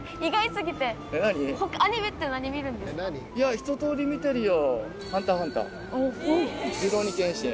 ひと通り見てるよ。